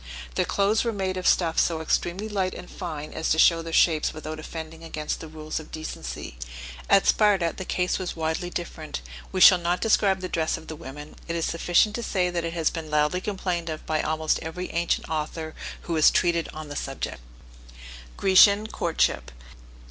Their clothes were made of stuffs so extremely light and fine as to show their shapes without offending against the rules of decency. At Sparta, the case was widely different; we shall not describe the dress of the women; it is sufficient to say that it has been loudly complained of by almost every ancient author who has treated on the subject. GRECIAN COURTSHIP.